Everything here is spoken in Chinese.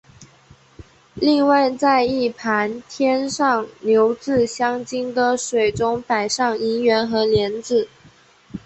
另外在一盘添上牛至香精的水中摆上银元和莲子。